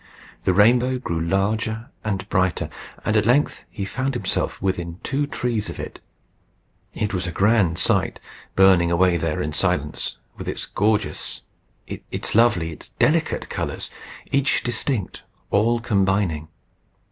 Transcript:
The rainbow grew larger and brighter; and at length he found himself within two trees of it. It was a grand sight, burning away there in silence, with its gorgeous, its lovely, its delicate colours, each distinct, all combining.